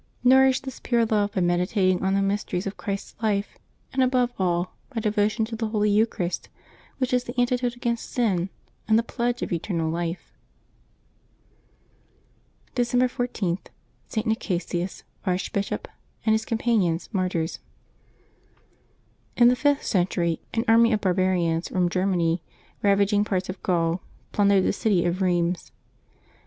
Nourish this pure love by meditating on the mysteries of Christ's life; and, above all, by devotion to the Holy Eucharist, which is the antidote against sin and the pledge of eternal life. December 14. — ST. NICASIUS, Archbishop, and his Companions, Martyrs. IN the fifth century an army of barbarians from Grer many ravaging part of Gaul, plundered the city of Rheims.